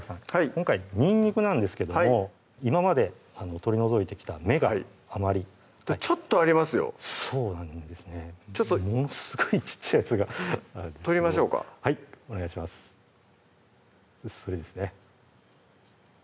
今回にんにくなんですけども今まで取り除いてきた芽があまりちょっとありますよそうなんですねものすごい小っちゃいやつが取りましょうかはいお願いします